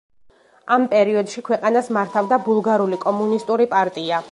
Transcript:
ამ პერიოდში ქვეყანას მართავდა ბულგარული კომუნისტური პარტია.